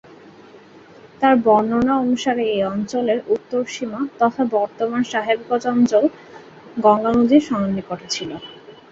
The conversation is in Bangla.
তার বর্ণনা অনুসারে এই অঞ্চলের উত্তর সীমা তথা বর্তমান সাহেবগঞ্জ অঞ্চল গঙ্গা নদীর সন্নিকটে ছিল।